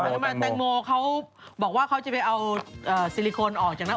แตงโมเพราะเขาบอกว่าเขาจะไปเอาทางโถ้าออกจากนาอก